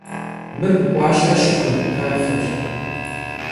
Mır 'Uaşhe şıkued tafeş.